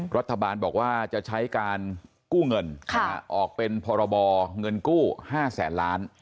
รัฐบาลบอกว่าจะใช้การกู้เงินออกเป็นพรบเงินกู้๕แสนล้าน